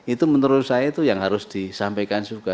itu menurut saya itu yang harus disampaikan juga